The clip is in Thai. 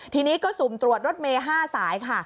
ทีนี้ก็สุ่มตรวจรถเมย์๕สายค่ะ